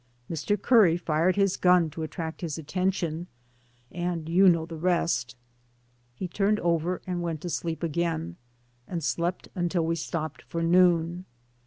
Mr. Curry fired his gun to attract his attention, and you know the rest." He turned over and went to sleep again, and slept until we stopped for noon.